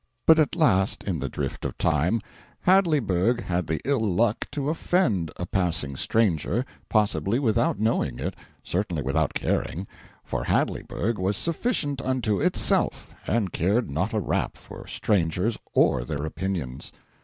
But at last, in the drift of time, Hadleyburg had the ill luck to offend a passing stranger possibly without knowing it, certainly without caring, for Hadleyburg was sufficient unto itself, and cared not a rap for strangers or their opinions.